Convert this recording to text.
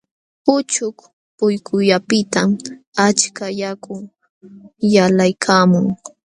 Uchuk pukyullapiqtam achka yaku yalqaykaamun.